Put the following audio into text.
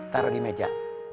taro di meja